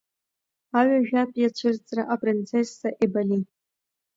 Аҩажәатәи ацәырҵра апринцесса Еболи.